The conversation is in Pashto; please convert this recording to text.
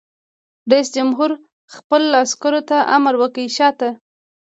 رئیس جمهور خپلو عسکرو ته امر وکړ؛ شاته!